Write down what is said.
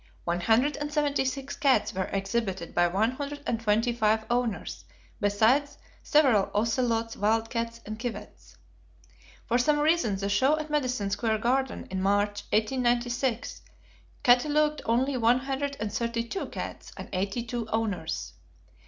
One hundred and seventy six cats were exhibited by one hundred and twenty five owners, besides several ocelots, wild cats, and civets. For some reason the show at Madison Square Garden in March, 1896, catalogued only one hundred and thirty two cats and eighty two owners.